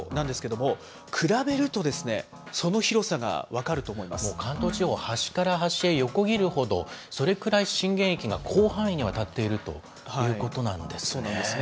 もう関東地方、端から端へ横切るほど、それくらい震源域が広範囲にわたっているということなんですね。